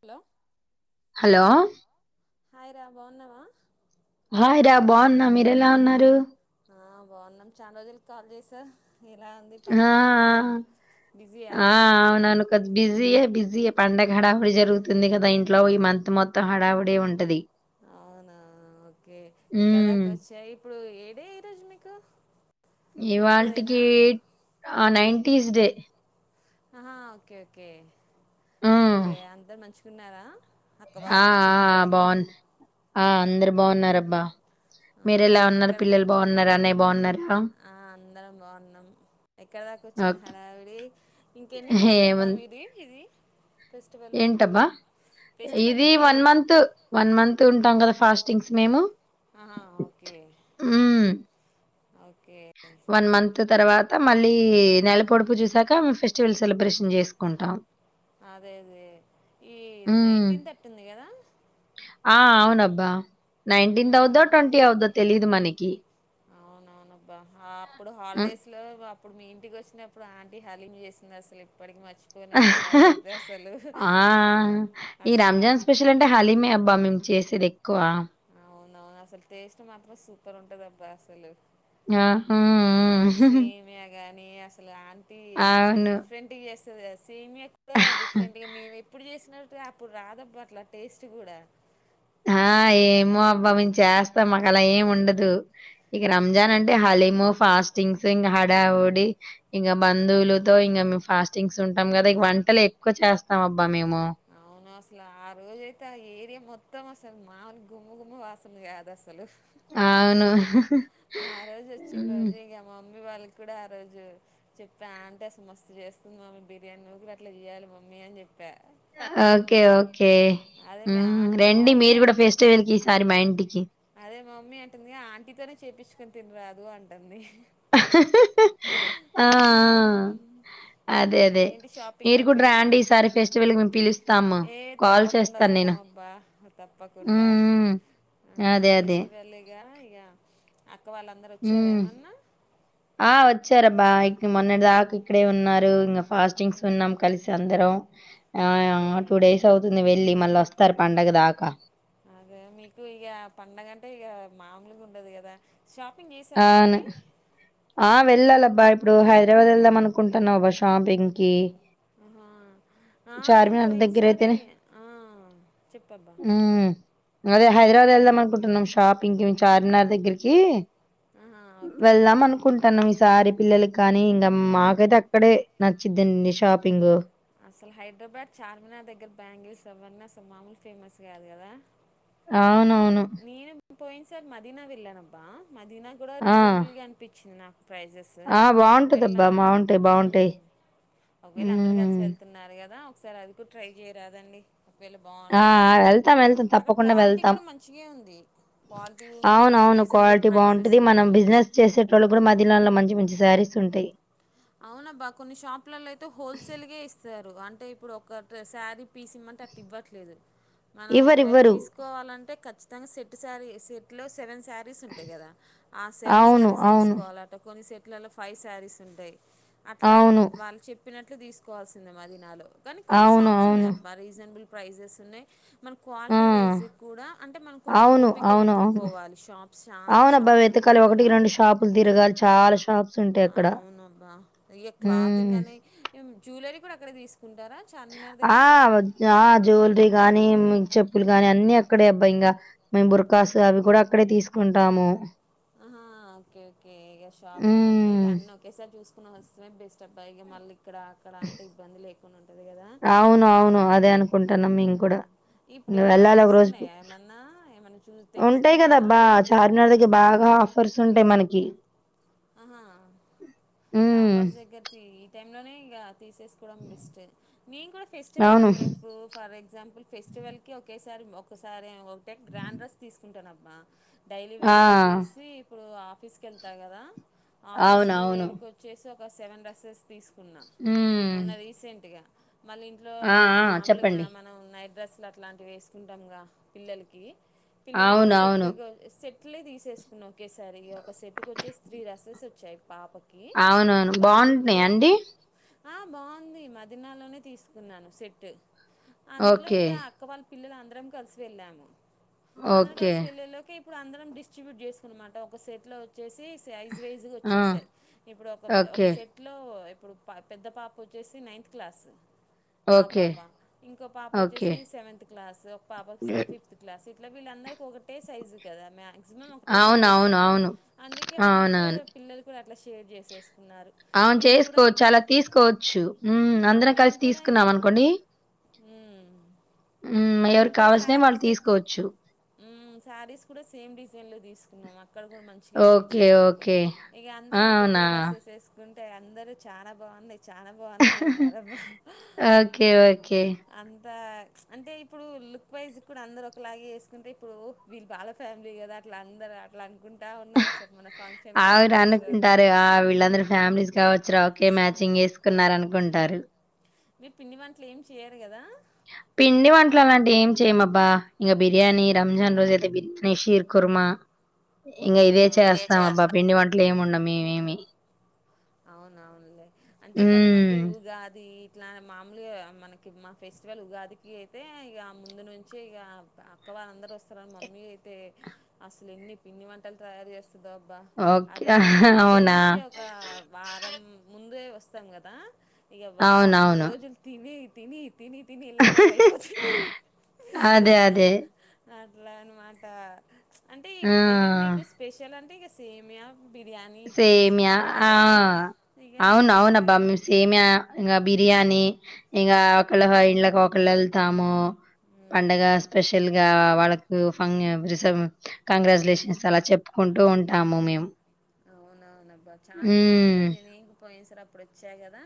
Hello hello hi రా బావున్నావా hi రా బాగున్నా మీరేలా ఉన్నారు ఆ బాగున్నాం చాలా రోజులకి కాల్ చేసారు ఆ బిజీయా ఆ ఆ అవును కొద్ది బిజీ అయిపో పండగ హడావుడి జరుగుతుంది కదా ఇంట్లో ఈ మంత్ మొత్తం హడావిడి ఉంటది అవునా ఓకే ఇక్క ఉమ్ దాకా వచ్చా ఇప్పుడు ఏడే ఈ రోజు మీకు ఫిఫ్త్దేనా ఇవాళ్టికీ ఆ నైంటీస్ డే ఆహా ఓకే ఓకే ఉమ్ ఓకే అందరు మంచిగున్నారా అక్క ఆ వాళ్ళు చెల్లి ఆ వాళ్ళు బావున్ ఆ అందరు బాగున్నారు అబ్బా ఆహా మీరేలా ఉన్నారు ఎక్కడ పిల్లలు బాగున్నారా అన్నయ్య బాగున్నారా ఆ అందరం బాగున్నాం ఎక్కడ దాకా వచ్చింది ఓకే హడావిడి ఇంక ఎన్ని డేస్ కబ్బా ఏముంది మీది ఇది ఫెస్టివల్ ఏంటబ్బా ఫెస్టివల్ ఇది మీరు వన్ మంత్ వన్ మంత్ ఉంటాం కదా ఫాస్టింగ్స్ మేము ఆహా okay okay okay one month తర్వాత మళ్ళీ నెల పొడుపు చూసాక ఫెస్టివల్ సెలబ్రేషన్ చేసుకుంటాం అదే అదే ఈ హ్మ్. నైన్టీన్త్ అట్ ఉంది కదా ఆ అవునబ్బా నైన్టీన్త్ అవుదొ ట్వంటీ అవుదో తెలీదు మనకి అవునవునబ్బా అప్పుడు హ్మ్. హాలిడేస్ లో అప్పుడు మీ ఇంటికి వచ్చినప్పుడు ఆంటీ హలీం చేసింది అసలు ఇప్పటికి మ హా ఆ ఆ ఈ అసలు హ రంజాన్ స్పెషల్ అంటే హలీమే అబ్బా మేం చేసేది ఎక్కువ అవునవును అసలు టేస్ట్ మాత్రం సూపర్ ఉంటదబ్బా అసలు యా హూ ఊ నీ అసలు ఆంటి డిఫరెంట్ గా చేస్తుది అస్ సేమ్యా కూడా డిఫరెంట్ గా మేం ఎప్పుడు చేసినట్టుగా అప్పుడు రాదబ్బా అప్పుడు అట్లా టేస్ట్ కూడా ఆ ఏమో అబ్బా మేం చేస్తాం మాకు అలా ఏం ఉండదు ఇక రంజాన్ అంటే అదే హలీము ఫాస్టింగ్స్ ఇంకా హడావుడి ఇంకా బంధువులుతో ఇంకా మేము ఫాస్టింగ్స్ ఉంటాం కదా ఇక వంటలు ఎక్కువ చేస్తాం అబ్ అవును అసలు ఆ రోజు అయితే ఆ ఏరియా మొత్తం అస మామలుగా గుమ గుమ వాసనలు కాదు అసలు అవును ఆ రోజు వచ్చిన ఉమ్ రోజు ఇక మా మమ్మీ వాళ్ళకి కూడా ఆ రోజు చెప్పా అంటీ అసలు మస్తు చేస్తుంది మమ్మీ బిర్యానీ నువ్వు కూడా అట్లా చెయ్యాలి మమ్మీ అని చెప్పా ఓకే ఓకే అదే మీ ఊమ్ ఆ మా రండి మమ్మీ మీరు కూడా అన్- ఫెస్టివెల్ కి ఈసారి మా ఇంటికి అదే మమ్మీ అంటుంది ఆ ఆంటీతోనే చేయిపిచ్చుకోని తినరాదూ అంటాంది ఆ ఆ ఉమ్. అదే అదే ఏంటి షాపింగ్ మీరు కూడ రాండి అయిపోయిందా ఈసారి ఫెస్టివల్ కి మేము పిలుస్తాము కాల్ చేస్తాను నేను వాహ్ హ్మ్. తప్పకుండా హ్మ్. అదే అదే ఫెస్టివల్గా గా ఇగ ఆ వాళ్ళందరు వచ్చార ఉమ్ ఏమన్నా ఆ వచ్చారబ్బా ఇక్ మొన్నటిదాకా ఇక్కడే ఉన్నారు ఇంగ ఫాస్టింగ్స్ ఉహు, ఉన్నాం కలిసి అందరం ఓకే ఆ టూ డేస్ అవుతుంది వెళ్ళి మళ్ళొస్ తారు పండగ దాకా అదే మీకు ఇగ పండగంటే ఇగ మామూలుగా ఉండదు కదా షాపింగ్ చేశారా ఆవును మరి ఆ వెళ్ళాలబ్బా ప్పుడు హైదరాబాద్ ఏళ్దాం అనుకుంటున్నావు గా షాపింగ్ కి ఊ హా ఆ నేను పోయినసారి దగ్గరైతేనే ఆ చెప్పబ్బా హ్మ్. అదే హైదరాబాద్ ఎళ్దాం అనుకుంటున్నాం షాపింగ్ కి చార్మినార్ దగ్గిరికి ఆహా ఓకే వెళ్దాం ఓకే అనుకుంటన్నాం ఈసారి పిల్లల కానీ ఇంగ మాకైతే అక్కడే నచ్చిద్ధండి షాపింగు అసలు హైదరాబాద్ చార్మినార్ దగ్గర బ్యాంగిల్స్ అవన్న అసలు మామూలు ఫేమస్ కాదు కదా అవునవును పోయిన్సారీ మదీనా వెళ్ళానబ్బా మదీనా కూడా ఆ! రీజనబుల్గా అనిపించింది ప్రైజెస్ ఆ! ఒకవెళ్ళ బావుంటదబ్బా! బావుంటాయి. మ్ బావుంటాయి. ఒకవేళ అందరు కలిసి హ్మ్. వెళ్తున్నారు కదా ఒకసారి అది కూడా ట్రై చేయ్యరాదండి ఆ వెళ్తాం వెళ్తాం అక్కడ తప్పకుండా క్వాలిటీ వెళ్తాం కూడా మంచిగా ఉంది క్వాలిటీ ఉంది ఇక్కడ అవునవును రీజనబుల్ క్వాలిటీ ప్రైజెస్ బాగుంటది ఉంది మనం బిజినెస్ చేసేటోళ్ళకూడా మధీనాలో మంచి మ చి సారీస్ ఉంటయి అవునబ్బా కొన్ని షాపులలో అయితే హోల్సేల్గా ఇస్తారు అంటే ఇప్పుడు ఒక డ్రశారీ పీసిమ్మంటే అట్ ఇవ్వట్లేదు మనం ఒకవేళ ఇవ్వరివ్వరు. తీసుకోవాలంటే ఖచ్చితంగా సెట్టు సారి సెట్లో సెవెన్ శారీస్ ఉంటాయి కదా ఆ సెవెన్ అవును. శారీస్ అవును. తీసుకోవాల అట్ట కొన్ని సెట్లలో ఫైవ్ శారీస్ ఉంటాయి అట్లా అవును. వాళ్ళు చెప్పినట్లు తీసుకోవాల్సిందే మ దీనాలో కానీ కొన్ని అవును. షాప్స్ అవును. ఉన్నాయబ్బ రీజనబుల్ ప్రైజెస్ ఉన్నాయి మన క్వాల్ ఆ! వైజు కూడా అంటే మనం కొంచెం అవును. ఓపగా అవును. అవును. వెతుక్కోవాలి షాప్స్ చాలా అవునబ్బా! షాప్స్ వెతకాలి. ఉంటాయి కదా షాపులు తిరగా ఛాల షాపు అవున అబ్బా ఇక క్లాతింగ్ హ్మ్. అని జ్యువలరీ కూడా అక్కడే తీసుకు ఆ ఆ జ్యువలరీ గానీ చెప్పులు గాని అన్ని అక్కడే అబ్బా ఇంగ మేము బుర్కాసు అవి కూడా అక్కడే తీసుకుంటాము అహ ఓకే ఓకే ఇగ షాపింగ్ అంటే ఇగ హ్మ్. అన్ని ఒకేసారి చూసుకొని వస్తే బెస్ట్ అబ్బాయి ఇక మళ్ళీ ఇక్కడ అక్కడ అంటే ఇబ్బంది లేకుండా ఉంటది కదా అవును. అవును. అదే అనుకుంటున్నాం మేము కూడా. ఇప్పుడు నువ్వు ఏమన్నా వెళ్ళాలి ఒక ఆఫర్స్ రోజు. ఉన్నాయా ఏమన్నా ఏమన్నా చూ ఉంటాయి తెలుసుకున్నారా కదబ్బా! అక్క చార్మినార్ వాళ్ళవి దగ్గర బాగా ఆఫర్స్ ఉంటాయి మనకి ఆహా హ్మ్. ఆఫర్స్ దగ్గరతి ఈ టైం లోనే ఇగ తీసేసుకోవడం బెస్ట్ నేనుకూడా ఫెస్టివల్ అవును. అనుకొ ఇప్పుడు ఫర్ ఎగ్జాంపుల్ ఫెస్టివల్ కి ఒకే ఒకసారి ఒకసారి ఒకటే గ్రాండ్ డ్రెస్ తీసుకుంటానబ్బ డైలీ ఆ! వేరుక వచ్చేసి ఇప్పుడు ఆఫీస్కి వెళ్తా కదా ఆఫీస్కి అవునవును. వేరుకు వచ్చేసి ఒక సెవెన్ డ్రెస్సెస్ తీసుకున్నా హ్మ్. మొన్న రీసెంట్గా మళ్ళీ ఇంట్లో ఆ! ఆ! మామూలుగా చెప్పండి. మనం నైట్ డ్రెస్సులు అట్లాంటివి వేసుకుంటాముగా పిల్లలికి పిల్లలకి అవునవును. సెట్గా సెట్లే తీసేసుకున్నా ఒకేసారి ఒక సెట్కి వచ్చే త్రీ డ్రెస్సెస్ వచ్చాయి పాపకి అవునవును బాగుంటున్నాయ అండి ఆ బాగుంది మదీనాలోనే తీసుకున్నాను సెట్ అందులో ఓకే. ఇంక అక్క వాళ్ళ పిల్లల అందరం కలిసి వెళ్ళాము అందరం ఓకే. కలిసి వెళ్ళలోకి ఇప్పుడు అందరం డిస్ట్రిబ్యూట్ చేసుకున్నమాట ఒక సెట్ లో వచ్చేసి సైజ్ వైజ్ గా ఆ! వచ్చేసాయి ఇప్పుడు ఒక ఒక ఓకే. సెట్ లో ఇప్పుడు పా పెద్ద పాప వచ్చేసి నైన్త్ క్లాసు మా ఓకే. పాప ఇంకో పాప ఓకే. వచ్చేసి సెవెంత్ క్లాస్ ఒక పాప ఫిఫ్త్ క్లాస్ సి ఇట్లా వీళ్ళందరిక ఒకటే సైజు కదా మాక్సిమం ఒకటే సైజ్ అవునవును. వస్తుంది అవును. అందుే ఇగ వాళ్ళు అవును కూడా అవునవును. పిల్లలు కూడా అలా షేర్ చేసేసరు అవును చేసుకోవచ్చు అలా తీసుకోవచ్చు అందరం కలిసి తీసుకున్నాం అనుకోండి హ ఉమ్ ఎవరి కావల్సినవి వాళ్ళు తీసుకోవచ్చు శారీస్ కూడా సేమ్ డిజైన్ లో తీసుకున్నాం అక్కడ కూడా మంచిగా అనిపించి ఓకే. వచ్చే నాకు ఓకే. ఇక ఆ! అందరం ఒక అవునా? టే రసెస్ వేసుకుంటే అందరు చాలా బాగుంది చాలా బాగున్నాయి అన్నారు అబ్బా ఓకే. ఓకే. అంతా అంటే ఇప్పుడు లుక్ వైజ్ కూడా అందరు ఒకలాగే వేసుకుంటే ఇప్పుడు వీళ్ళు వాల ఫ్యామిలీ కదా అట్లా అందరు అట్లా అనుకుంటా ఉన్నారు అస మన ఫంక్షన్కి అవుర వెళ్తే అసలు అనుకుంటారు ఆ వీళ్ళందరు ఫ్యామిలీస్ కా వచ్చు రా ఓకే మ్యాచింగ్ అసలు వేసుకున్నారు అనుకుంటారు అరు మీరు పిండి వంటలు ఏమి చెయ్యరు కదా పిండి వంటలు అలాంటివి ఏం చేయ్యమబ్బా ఇంకా బిర్యానీ రంజాన్ రోజు అయితే బిర్యానీ షీర్ కురుమా ఇంకా ఇవే ఆహా చేస్తాంబ్బా చేస్తా పిండి వంటలు ఏమి ఉండవ్ మేమేమి అవున అవునులే అంటే కొంతమందిరి హ్మ్. ఉగాది ఇట్లా మామూలుగా మనకి మా ఫెస్టివల్ ఉగాదికి అయితే ఇక ముందు నుంచి ఇక వాళ్ళందరు వస్తారు అని మమ్మీ అయితే అసలు ఎన్ని పిండి వంటలు తయారు చేస్తదో దా అబ్బా ఓకే. అవి వచ్చినప్పటి అవునా? నుంచి ఒక వారం ముందే వస్తాం కదా ఇక వారం అవునవును. రోజులు తిని తిని తిని తిని వెళ్ళేలోగా అయిపోతాం హా అదే. అదే. హా ఇట్లా అనమాట అంటే ఇక ఆ! మీకు స్పెషల్ అంటే ఇక సేమియా బిర్యానీ ఇట్లాంటి సేమ్యా స్పెషల్ ఆ! కదా ఇగ అవును మేము అవునబ్బా ఎట్లాగో సేమ్య ఇంకా బిర్యానీ ఇగ ఒకళ్ళ ఇళ్లకి ఒకళ్ళు వెళ్తాము పండగ ఉమ్ స్పెషల్ గా వాళ్ళకు ఫ [unintelligible] కంగ్రాచ్యులేషన్స్ అలా చెప్పుకు కుంటూ ఉంటాము మేము అవునవునబ్బ చాలా హ్మ్. బాగుంటది నీకు పోయిన సారి అప్పుడు వచ్చా కదా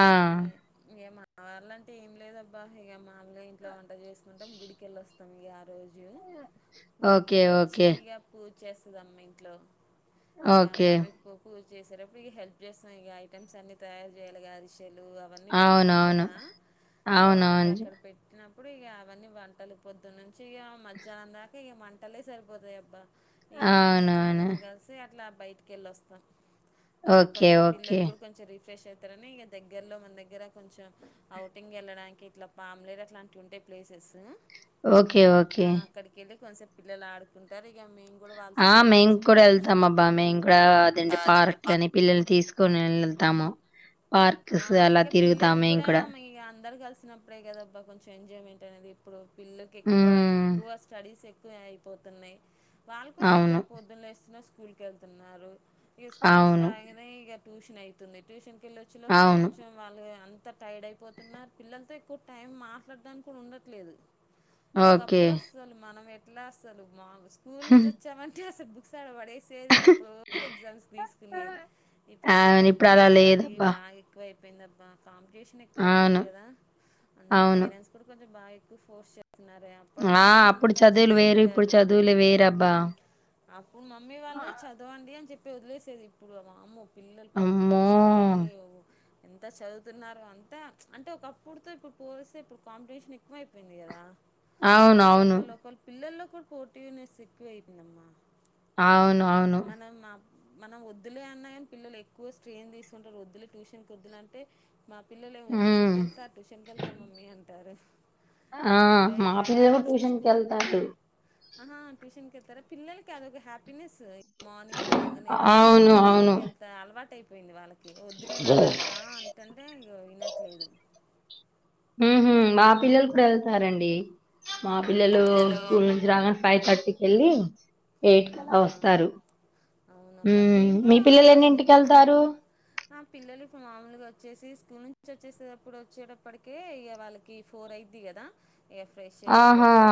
ఆ! మీ మీయ్యమ్ మా వాళ్ళంటే ఏం లేదబ్బా ఇక మామూగా ఇంట్లో వంట చేసుకుంటాం గుడికెల్లోస్తాం ఇక ఆ రోజు ఓకే. గుడికెళ్ళొచ్చి ఓకే. ఇక పూజ చేస్తుదమ్మ ఇంట్లో ఇక ఓకే. మమ్మీ పూ చేసేటప్పుడు ఇక హెల్ప్ చేస్తాం ఇక ఐటెమ్స్ అన్ని తయారు చేయాలి కాదు టెలు అవన్నీ పెడతాం అవునవును. కదా ఇక అవునవును. వాటినక్కడ పెట్టినప్ ఇప్పుడు ఇక అవన్నీ వంటలు పొద్దున్నంచి ఇక మధ్యాహ్నం దాకా ఇక వంటలే సరిపోతాయి అబ్బా ఈవినింగ్ అట్లా అవునవును. అందరం కలిసి అట్లా బయటికి వెళ్ళి వస్తాం ఇలా ఓకే. కొంచెం ఓకే. పిల్లలు కూడా కొంచెం రిఫ్రెష్ అయిత్ తరని ఇక దగ్గర్లో మన దగ్గర కొంచెం అఔటింగ్ వెళ్ళడానికి ఇట్లా పామ్లేర్ అలాంటి ఉంటయి ప్లేస్ సూ ఓకే ఓకే కొంచసేప్ పిల్లలు ఆడుకుంటారు ఇక మేం ఆ మేము కూడా వెళ్తాం అబ్బా మేము కూడా అదేంటి అదండి పార్కు అని పా పిల్లల్ని తీసుకుని ఎల్తమో ఆ ఇక పిల్లలు కూడా ఇగ అందరు కలిసినప్పుడే కదబ్బా కొంచెం ఎంజాయ్మెంట్ అనేది ఇప్పుడు పిల్లకి ఎక్కువ హ్మ్. ఎక్కువ స్టడీస్ ఎక్కువ అయిపోతున్నాయి వాళ్ళు కూడా ఎక్కడ అవును. పొద్దున లేస్తేనే స్కూల్ కి వెళ్తున్నారు ఇక స్కూల్ నుంచి అవును. రాగానే ఇక ట్యూషన్ అయితుంది ట్యూషన్ కెళ్ళి ఇంకా అవును. కొంచెం వాళ్ళు గదా అంత టైడ్ అయిపోతున్నారు పిల్లలతో ఎక్కువ టైం మాట్లాడడానికి కూడా ఉండట్లేదు ఓకే. ఒకప్పుడు అస్సలు మనం ఎట్లా అస్సలు మాలు స్కూల్ నుంచి వచ్చామంటే అసలు బుక్ తేసేది ఇప్పుడు ఎగ్జామ్స్ తీసుకునేది ఇప్పుడు అవును. పిల్లల ఇప్పుడలా కొంచెం స్టడీ లేదబ్బా! బాగా ఎక్ అయిపోయింది అబ్బా కాంపిటీషన్ ఎక్కువ అయిపోయింది అవును. కదా అందులో అవును. పేరెంట్స్ కూడా కొంచెం బాగా ఎక్ ఎక్కువ ఫోర్స్ చేస్ ఆ అప్పుడు చదువులు వేరు ఇప్పుడు కాదు చదువులు వేర్ అబ్బా అప్పుడు మమ్మీ వాళ్ళు చదవండి అని చెప్పి వదిలేసేది ఇప్పుడు వామ్మో పిల్లలు పాపం అమ్మో! ట్యూషన్ కి అని ఎంత చదువుతున్నారు అంతా అంటే ఒకప్పుడుతో ఇప్పుడు పోలిస్తే ఇప్పుడు కాంపిటీషన్ ఎక్కువ అయిపోయింది కదా అవును. అందుకే అవును. ఒక్కలకొక్కలు పిల్లల్లో కూడా పోటీనెస్ ఎక్కువ అయిపోయిందమ్మా అవును అవును మనం మనం వద్దులే అన్నాగని పిల్లలు ఎక్కువ స్ట్రెయిన్ తీసుకుంటారు వద్దులే ట్యూషన్ కు వద్దులే అంటే మా పిల్లలేమో ట్యూషన్ హ్మ్. కి ఎళ్తా ట్యూషన్ కి ఎళ్తా మమ్మీ అంటారు ఆ ఎందుకులే మా ఇక పిల్లలు ట్యూషన్ కి స్కూ వెళ్తారూ ఆహా ట్యూషన్ కి ఎళ్తారా పిల్లలకి అదో ఒక హ్యాపీనెస్ మార్నింగ్ రాంగనే అవును. ట్యూషన్ కి అవును. వెళ్తా అలవాటు అయిపోయింది వాళ్ళకి వద్దులే నాన్న ఇంక అంటంటే వినట్లేదు హ్మ్ హు మా పిల్లలు కూడా వెళ్తారండి మా పిల్లలు స్కూల్ నుంచి రాగా ఫైవ్ థర్టీ కెళ్ళి ఎయిట్ కళ్ల ఆహా వస్తారు అవునబ్బా హ్మ్ నేను మీ కూడా పిల్లలు ఫస్ట్ ఎన్నింటికి వెళ్తారు ఆ పిల్లలు ఇప్పుడు మాముూలుగా వచ్చేసి స్కూల్ నుంచి వచ్చేసటప్పుడు వచ్చేటప్పటికే ఇగ వాళ్ళకి ఫోర్ అయి ది కదా ఇగ ఫ్రెష్ ఆహా! వెళ్లొచ్చే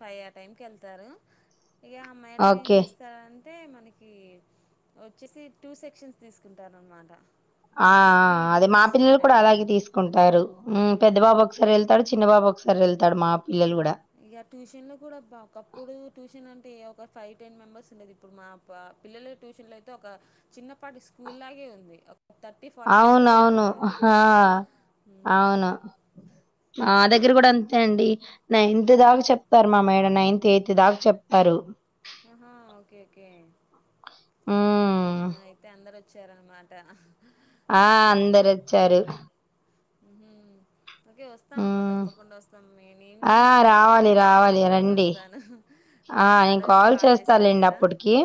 ఫైవ్ అ టైం కి వెళ్తారు ఇగ మనం ఏం ఓకే. చేస్తారంటే మనకి వచ్చేసి టూ సెక్షన్స్ తీసుకుంటారు అనమాట ఆ మార్నింగ్ ఆ అదే ఈవినింగ్ మా పిల్లలు కూడా అలాగే తీసుకుంటారు హ్మ్ పెద్ద ఉమ్ బాబు ఒకసారి వెళ్తాడు చిన్న బాబు ఒక సారి వెళ్తాడు మా పిల్లలు గూడా. ఇగ ట్యూషన్ లో కూడా బా ఒకప్పుడు ట్యూషన్ అంటే ఏ ఒక ఫైవ్ టెన్ మెంబర్స్ ఉండేది ఇప్పుడు మా పిల్లలు ట్యూషన్ లో అయితే ఒక చిన్నపాటి స్కూల్ లాగే ఉంది ఒక థర్టీ ఫార్టీ మెంబర్స్ అవునువును అయిపోయారు హా మ్మ్. అవును మా దగ్గర కూడా అంతే అండి నైన్త్ దాకా చెప్తారు మా మేడం నైన్త్ ఎయిత్ దాకా చెప్తారు ఆహా ఓకే ఓకే హ్మ్ నా అయితే అందరు వచ్చారనమాట ఆ అందరు వచ్చారు హ్మ్ ఓకే వస్తాం అబ్బా హ్మ్. తప్పకుండా వస్తాం నేను కూడా ఆ! మా సార్ ని రావాలి. తీసుకొని రావాలి. తప్పకుండా రండి. వస్తాను ఆ అదే చాలా నేను రోజులకు కాల్ చేస్తా చేశారు లేండి కదా అప్పటికి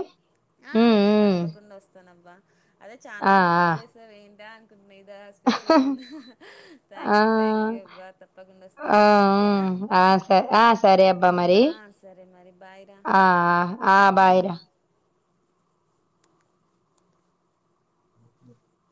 ఆ హ్మ్. ఓకే హ్మ్. తప్పకుండా వస్తాన అబ్బా అదే చాన ఆ! రోజుల కి ఆ! కాల్ చేసావే ఏంటా [unintelligible] మీదా స్పెషల్ ఆ థ్యాంక్ యూ థ్యాంక్ యూ అబ్బా తప్పకుండా ఆ వస్తాను ఓకేనా ఆ ఆ సరే అబ్బా మరి రి ఆ సరే మరి బాయ్ రా ఆ ఆ ఆ బాయ్ రా